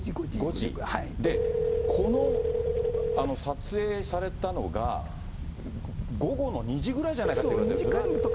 で、この、撮影されたのが午後の２時ぐらいじゃないかといわれてるんですよ